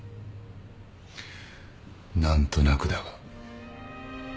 何となくだが。